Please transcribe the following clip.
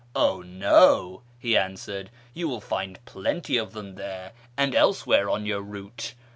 " Oh, no," he answered, " you will find plenty of them there and elsewhere on your route.